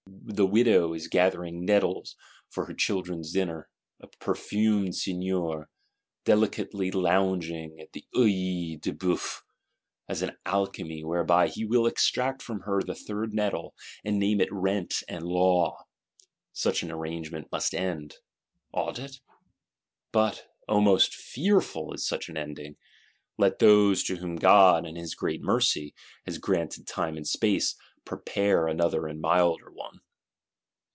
The widow is gathering nettles for her children's dinner; a perfumed Seigneur, delicately lounging in the Œil de Bœuf, has an alchemy whereby he will extract from her the third nettle, and name it Rent and Law: such an arrangement must end. Ought it? But, O most fearful is such an ending! Let those, to whom God, in His great mercy, has granted time and space, prepare another and milder one.